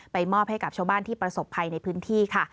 มอบให้กับชาวบ้านที่ประสบภัยในพื้นที่ค่ะ